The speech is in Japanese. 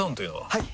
はい！